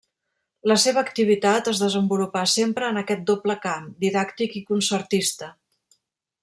La seva activitat es desenvolupà sempre en aquest doble camp, didàctic i concertista.